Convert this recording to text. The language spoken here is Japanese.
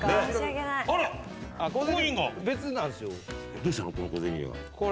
どうしたのこの小銭入れ。